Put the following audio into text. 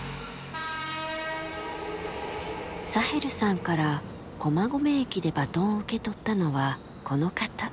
サヘルさんから駒込駅でバトンを受け取ったのはこの方。